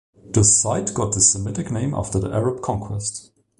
This site got this Semitic name after the Arab conquest.